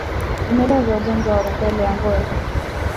Vimelea vya ugonjwa wa mapele ya ngozi